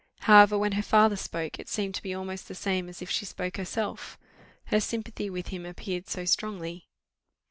However, when her father spoke, it seemed to be almost the same as if she spoke herself her sympathy with him appeared so strongly.